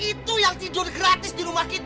itu yang tidur gratis di rumah kita